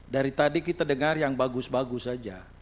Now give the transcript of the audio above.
dari tadi kita dengar yang bagus bagus saja